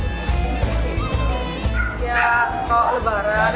ya kalau lebaran